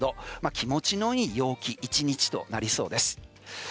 気持ちの良い陽気１日となりそうです。